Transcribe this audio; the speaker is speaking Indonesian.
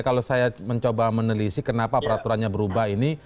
kalau saya mencoba meneliti kenapa peraturannya berubah ini